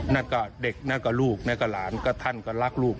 นั่นก็เด็กนั่นก็ลูกนะกับหลานก็ท่านก็รักลูก